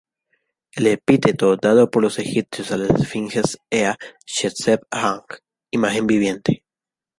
El epíteto dado por los egipcios a las esfinges era "shesep-anj", "imagen viviente".